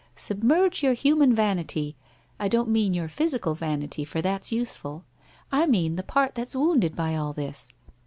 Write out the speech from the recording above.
Submerge your human vanity. I don't mean your physical vanity for that's useful. I mean the part that's wounded by all this.